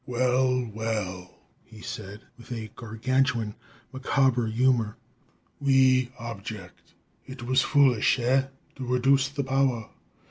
"Well, well!" he said, with gargantuan, macabre humor. "We object! It was foolish, eh, to reduce the power?